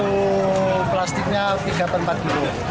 untuk plastiknya tiga empat kg